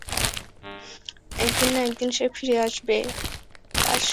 একদিন না একদিন সে ফিরে আসবে।